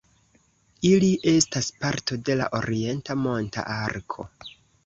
Ili estas parto de la Orienta Monta Arko.